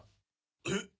えっ？